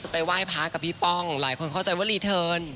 ไปไหว้พระกับพี่ป้องหลายคนเข้าใจว่ารีเทิร์น